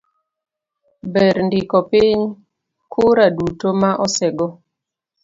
ber ndiko piny kura duto ma osego